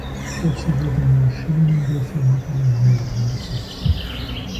Dazu wurden Maschinen der Firma Karl Mayer eingesetzt.